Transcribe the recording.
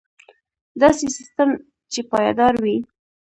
داسې سیستم چې پایدار وي.